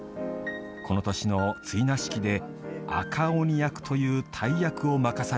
この年の追儺式で赤鬼役という大役を任されました。